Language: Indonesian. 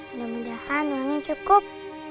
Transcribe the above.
mudah mudahan uangnya cukup